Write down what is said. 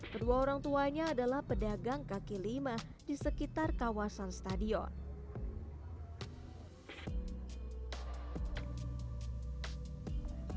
kedua orang tuanya adalah pedagang kaki lima di sekitar kawasan stadion